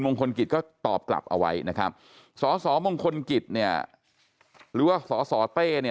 คลกิจก็ตอบกลับเอาไว้นะครับสสมงคลกิจเนี่ยหรือว่าสสเต้เนี่ย